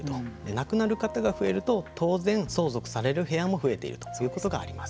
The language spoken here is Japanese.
亡くなる方が増えると当然相続される部屋も増えているということがあります。